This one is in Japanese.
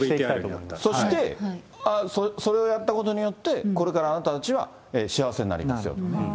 そして、それをやったことによって、これからあなたたちは幸せになりますよと。